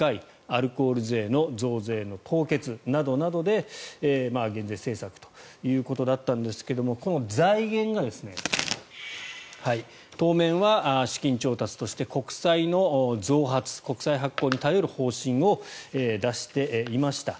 アルコール税の増税の凍結などなどで減税政策ということだったんですがこの財源が当面は資金調達として国債の増発国債発行に頼る方針を出していました。